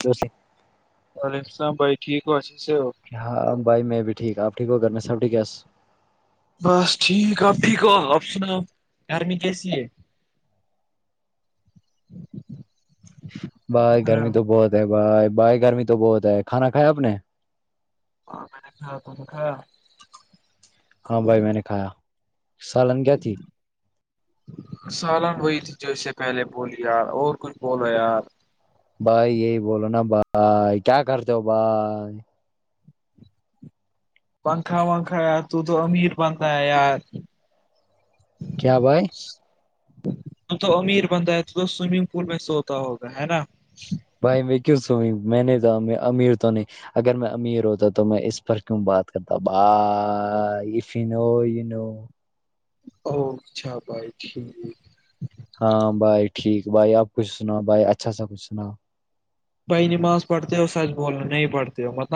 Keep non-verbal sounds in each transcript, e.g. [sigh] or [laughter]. کیوں سے؟ وعلیکم السل بھائیٹھیک ہو اچی سے ہو ہاں بھائی میں بھی ٹھیک آپ ٹھیک ہو کرنے سب ٹھیک ہےس بس ٹھیک آپٹھی کو آپشنا آ گرمی کیسی ہے [inaudible] بائی ہلو گرمی تو بہت ہے بھائی بائی گرمی تو بہت ہے کھانا کھائے آپ نے ہاں میں نے کا ت کا ہاں بھائی میں نے کھایا سالن کیا تھی سالن وہی تھی جو اس سے پہلے بولی یار اور کچھ بولو یار بھائی یہی بولو نا بھائی کیا کرتے ہو بھائی پنکھا ونکھا یار تو تو امیر بنتا ہے یار کیا کیا بائے ت تو امیر بندہ ہے تو سوئمنگ پول میں سوتا ہوگا ہے نا بھائی میں کیوں سوئی میں نہیں تو امیر تو نہیں اگر میں امیر ہوتا تو میں اس پر کیوں بات کرتا با یہ فنو و اوچھا بھائی ٹھیک ہاں بھائی ٹھیک بھائی آپ کچھ سنا بھائی اچھا سا کچھ سنا بہ نماز پڑھتے ہو اور سچ بولنا نہیں پڑتے ہو مل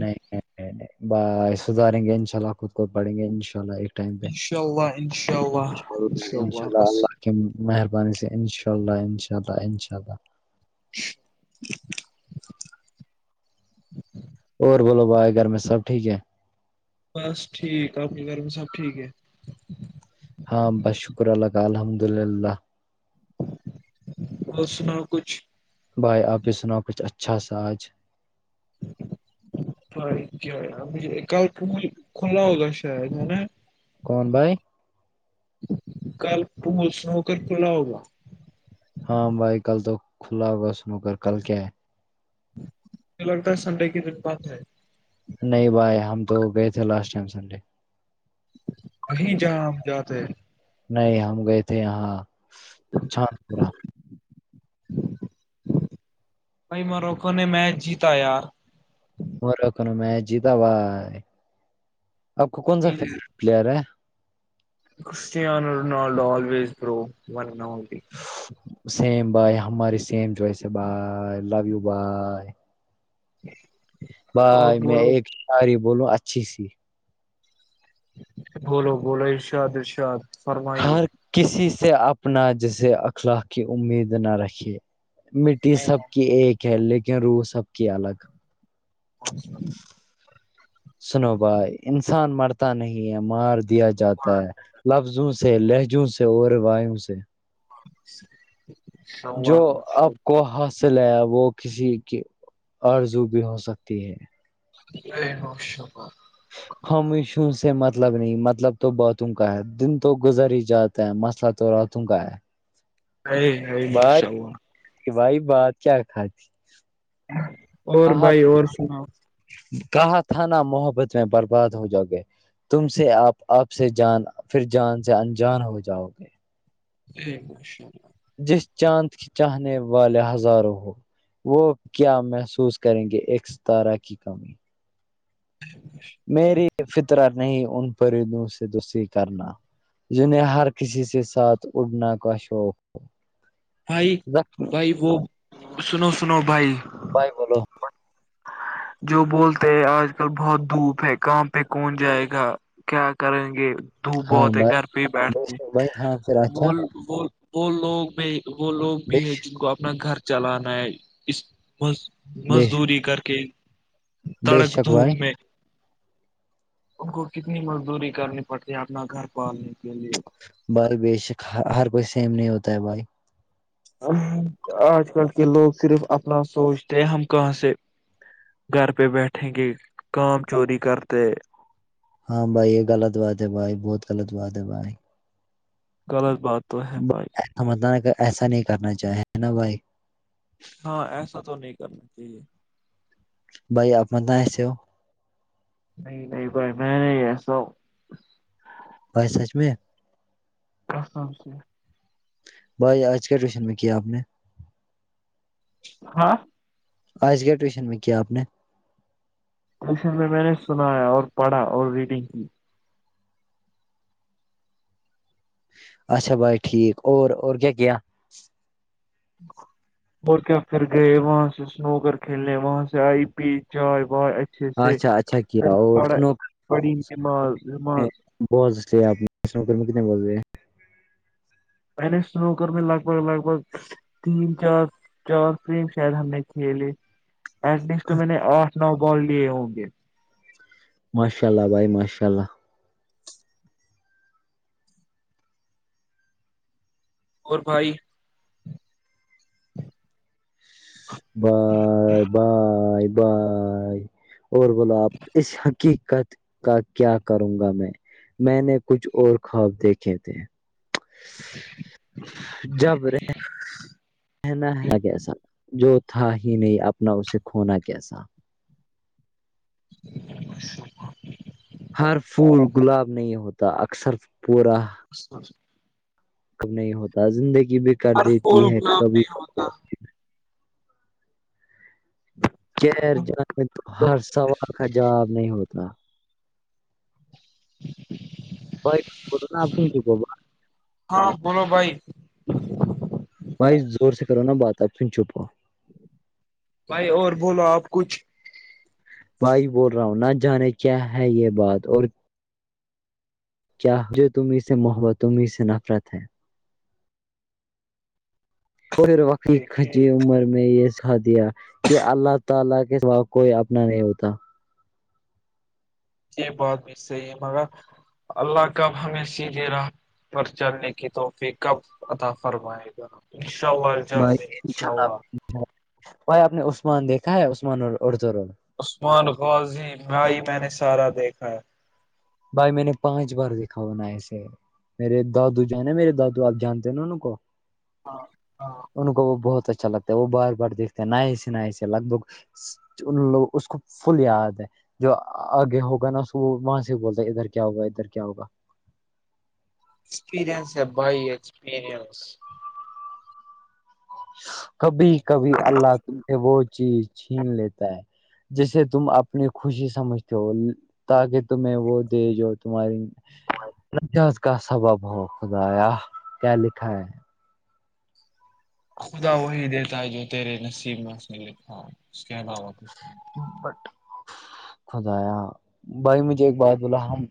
نہیں سدھاریں گے ان شاء اللہ خود کو پڑھیں گے ان شاء اللہ ا ال انشاء اللہ انشاء اللہ انشاء ان شاء اللہ بس اللہ مہربانی سے انشاء اللہ انشاء اللہ انشاء اللہ [inaudible] اور بولو بائے گھر میں سب ٹھیک ہے بس ٹھیک اپنے گھر میں سب ٹھیک ہے ہاں بس شکر اللہ الحمد للہ اور اسنا کچھ بھائی آپ یہ سناؤ کچھ اچھا سا آج س ج کال پ کھلا ہوگا س م کون بھائی کل تو اسن ہو کر کھلا ہوگا ہاں بھائی کل تو کھلا ہوگا سنو کر کل کیا ہے مجھے لگتا ہے سنڈے کے دن بات ہے نہیں بھائی ہم تو گئے تھے لاسٹ ٹائم سنڈے وہیں جہاں ہم جاتے نہیں ہم گئے تھے یہاں چھانان پورا م رخو نے مچ جیتا آیا مو کو ن میچ جیتا بھائی آپ کو کون سا فیورٹ پلیئر ہے کرسان ر آزو سیم بائے ہماری سیم جوائس ہے بائے لو یو بائے اور بائی میں بولو ایک ساری بولوں اچھی سی بولو بولو ارشاد ارشاد فرمائیے ہر کسی سے اپنا جسے اخلاق کی امید نہ رکے مٹی سب کی ایک ہے لیکن روح سب کی الگ اورچ سنو بھائی انسان مرتا نہیں ہے مار دیا جاتا ہے لفظوں سے لہجوں سے اوروایوں سے جو اللہ ماشاء آپ کو ہس سے لے وہ کسی کی اوررزو بھی ہو سکتی ہے ا نش ب خشوں سے مطلب نہیں مطلب تو بہتوں کا ہے دن تو گزر ہی جاتا مسلہ تو رتوں کا ہے ہے ہے موشا ہو کہ بھائی بات کیا کھاتاتی اور بھائی اور سناؤ کہاں تھا نا محبت میں برباد ہو جاؤ گے تم سے آپ آپ سے جان پھر جان سے انجان ہو جاؤ گے ٹھ ہےش جس چاند کے چاہنے والے ہزاروں ہو وہ کیا محسوس کریں گے ایکستارہ کی کمی ہی میری فطران نہیں ان پرندوں سے تو صی کرنا جنہیں ہر کسی کے ساتھ اڑنا کا شوق ہو بھائی بھائی وہ سنو سنو بھائی بھائی بولو جو بولتے ہیں آج کل بہت دھوپ ہے کہاں پہ کون جائے گا کیا کریں گے دھوپ ہاں بہتے بھائی گھر پہ ہی بے بیٹھتے شک بھائی ہاں پھر اچھا وہ وہ وہ لوگ بھی وہ لوگ بے بھی ہے جن کو اپنا گھر چلانا ہے اس بے مزدوری کر کے بے تڑک شک دھوپ بھائی میں ان کو کتنی مزدوری کرنی پڑتی ہے اپنا گھر پالنے کے لیے بائی بے شک ہر کوئی سیم نہیں ہوتا ہے بھائی آج کل کے لوگ صرف اپنا سوچتے ہیں ہم کہاں سے گھر پہ بیٹھیں کہ کام چوری کرتے ہاں بھائی یہ غلط بات ہے بھائی بہت غلط بات ہے بھائی غلط بات تو ہے پائے سمجھناان ایسا نہیں کرنا چاہیں نا بھائی ہاں ایسا تو نہیں کرنا چاہیے بائی آپنا سے نہیں نہیں بھائی میں نہیں ایسا بائی سچ میں آسام سےف بھائی آج کے ٹیوشن میں کیا آپ نے ہاں آج گ ٹویشن میں کیا آپ نے اشن میں میں نے سنایا اور پڑھا اور ریڈنگ کی اچھا بھائی ٹھیک اور اور کیا کیا ہ [unintelligible] اور کیا پھر گئے وہاں سے سنوگر کھیلنے وہاں سے آئی پی چائے وائے جچھس اچھا اچھا پ کیا پ اور سنو پڑ نماز وماز [unintelligible] بہت سے آپ نے نوکر میں کتنے بولتے ہیں پہلے سنو کر میں لگ بگ لگ بگ [unintelligible] تین چار چار فم شاید ہم نے کھیلے ایٹ لیسٹ تو میں نے آٹھ نو بال لیے ہوں گے ماشاء اللہ بھائی ماشاء اللہ اور بھائی بائے بائے بائے [unintelligible] اور بولو آپ اس حقیقت کا کیا کروں گا میں میں نے کچھ اور خواب دیکھے تھے جی جبرے [unintelligible] کہنا ہے کیسا جو تھا ہی نہیں اپنا اسے کھونا کیسا [unintelligible] ہر پھول گلاب نہیں ہوتا اکثر پورا اچ [unintelligible] کب نہیں ہوتا زندگی بھی کر پول دیتی ہے گلاب کبھی نہیں کب ہوتا کیر جانے تو ہر سوال کا جواب نہیں ہوتا ب ک کرنا آ بن کی با [unintelligible] ہاں بولو بھائی بھائی زور سے کرو نا بات آپ سن چھپ ہو بھائی اور بولو آپ کچھ بھائی بول رہا ہوں نہ جانے کیا ہے یہ بات اور کیا جو تم اس سے محبت تمیں سے نفرت ہے وہھر وقی خ دیکھیے جی عمر [unintelligible] میں یہ ساتھ دیا کہ اللہ تعالی کے سوا کوئی اپنا نہیں ہوتا یہ بات بھی صحیح ہے مگر اللہ کاب ہمیں س دے رہا پر چلنے کی توحفی کب ادا فرمائے گا انشاء ال [unintelligible] بھائی جضاو انشاء آا [unintelligible] بھائی آپ نے عثمان دیکھا ہے عثمان اور اڑدور عثمان غوازی میںئی میں نے سارا دیکھا ہے بھائی میں نے پانچ بار دیکھا ہونا ایسے میرے دادو جو نا میرے دادو آپ جانتے ہیں نا ان کو ہاں [unintelligible] ان کو وہ بہت اچھا لگتا ہے وہ بار بار دیکھتے ہیں نئے سے ن سے لگ بھگ ان لوگ اس کو فل یاد ہے جو آگے ہوگا نا اس وہاں سے بولتے ادھر کیا ہوگا ادھر کیا ہوا ایکسپیرنس ہے بھائی ایکسپرینس کبھی کبھی اللہ تم سے وہ چیز چھین لیتا ہے جسے تم اپنی خوشی سمجھتے ہو تاکہ تمہیں وہ دے جو تمہاری ناز کا سبب ہو خدایا کیا لکھا ہے خدا وہی دیتا ہے جو تیرے نصیب میں اس نے لکھا ہے اس کے علاوہ کچھ نہیں بٹ خدایا [unintelligible] بھائی مجھے ایک بات بولا ہم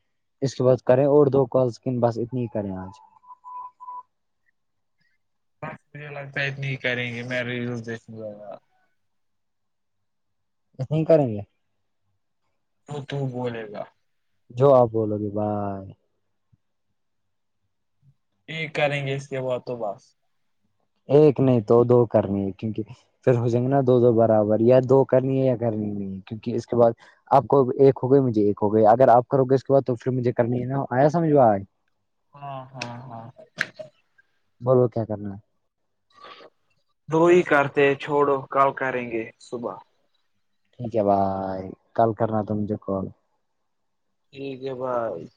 اس کے بعد کریں اور دو کال کن بس اتنی ہی کریں آج بس مجھے لگتا ہے اتنی ہی کریں گے میں ریز دیکنے ل گا [unintelligible] س کڑیںے [unintelligible] تو تو بولے گا [unintelligible] جو آ ب لو گ بھائی یہ کریں گے اس سے وہ تو بس ایک نہیں تو دو کرنی ہے کیونکہ پھر ہو جائیں گے نا دو دو برابر یا دو کرنی ہے یا کرنی نہیں کیونکہ اس کے بعد آپ کو ایک ہو گئی مجھے ایک ہو گئی اگر آپ کرو گے اس کے بعد تو پھر مجھے کرنی ہے نا آیا سمجھ ب آ ہاں ہاں ہاں بولو کیا کرنا ہے وہ ہی کرتے چھوڑو کل کریں گے صبح ٹھیک ہے بائے کل کرنا تھا مجھے کال یک ب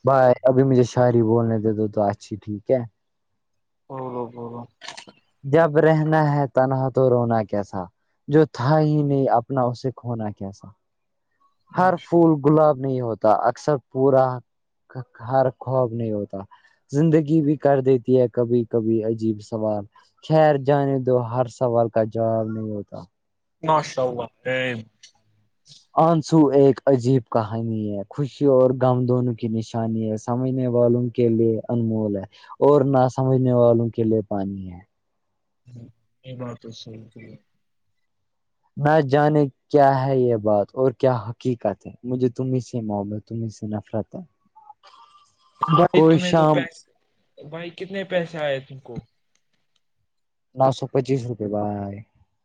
بھائی ابھی مجھے شاعری بولنے دے دو تو اچھی ٹھیک ہے ہو ہو جب رہنا ہے تنہا تو رونا کیسا جو تھا ہی نہیں اپنا اسے کھونا کیسا ہر ماشاء اللہ پھول گلاب نہیں ہوتا اکثر پورا ہر خواب نہیں ہوتا زندگی بھی کر دیتی ہے کبھی کبھی عجیب سوال خیر جانے دو ہر سوال کا جواب نہیں ہوتا ماشاء اللہ آنسو ایک عجیب کہانی ہے خوشی اور غم دونوں کی نشانی ہے سمجھنے والوں کے لیے انمول ہے اور نہ سمجھنے والوں کے لیے پانی ہے ہ یہ بات سو کی نہ جانے کیا ہے یہ بات اور کیا حقیقت ہے مجھے تمیں سے محبت تمیں سے نفرت ہے بھائی کوئی تمہیں تو شام پس بھائی کتنے پیسے آئے تم کو نو سو پچیس روپے بھائی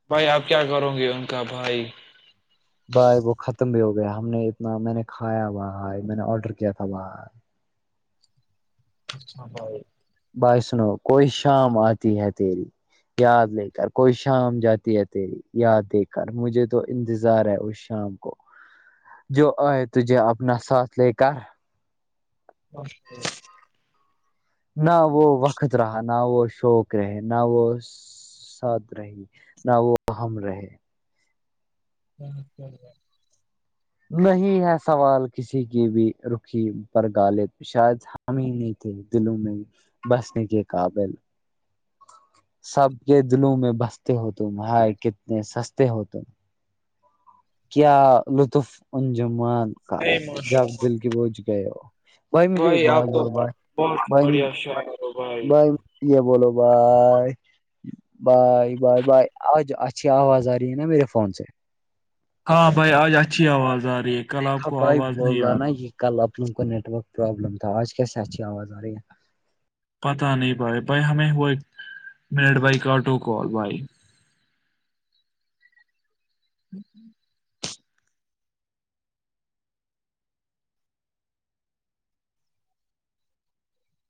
بھائی آپ کیا کرو گے ان کا بھائی بھائی وہ ختم بھی ہو گیا ہم نے اتنا میں نے کھایا ب ہائی میں نے آڈر کیا تھا ب اچھا بھائی بھائی سنو کوئی شام آتی ہے تیری یاد لے کر کوئی شام جاتی ہے تیری یاد دے کر مجھے تو انتظار ہے اس شام جو آئے تھے اپنا ساتھ لے کر اچ نہ وہ وقت رہا نہ وہ شوق رہے نہ وہ ساتھ رہی نہ وہ ام رہے ہی س نہیں ہے سوال کسی کی بھی رکھی پر غالب شاید ہم ہی نہیں تھے دلوں میں بسنے کے قابل سب کے دلوں میں بستے ہو تم ہائے کتنے سستے ہو تم کیا لطف انجمان کا اے ماشاء اللہ، جب دل کے بوجھ گئے ہو بھائی مجھے ایک بات آپ تو ہو بھائی بہت بھائی بڑھیا شاعر ہو بھائی بائی یہ بولو بھائی بائے بائے بائے آج اچھی آواز آ رہی ہے نا میرے فون سے ہاں بھائی آج اچھی آواز آ رہی ہے کل آپ دیکھا کو بھائی آواز بول نہیں رہا آ نا رہی یہ کل اب لوگ کو نیٹ ورک پرابلم تھا آج کیسے اچھی آواز آ رہی ہے پتا نہیں بھائی بھائی ہمیں ہو ایک منٹ بائی کاٹو کال بھائی ہ